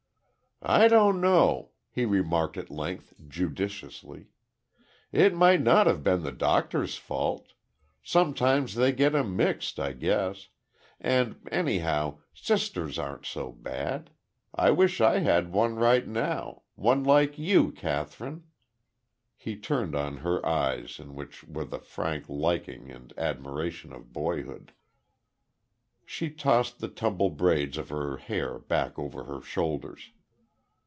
"I don't know," he remarked at length, judicially. "It might not have been the doctor's fault. Sometimes they get 'em mixed, I guess.... And anyhow, sisters aren't so bad. I wish I had one right now one like you, Kathryn." He turned on her eyes in which were the frank liking and admiration of boyhood. She tossed the tumbled braids of her hair back over her shoulders.